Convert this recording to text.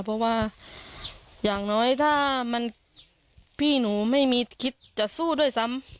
เพราะว่าอย่างน้อยถ้าเราไม่มีคิดจะสู้ด้วยซ้ำ